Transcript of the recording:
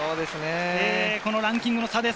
このランキングの差です。